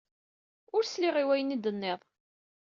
Ur sliɣ i wayen ay d-tenniḍ.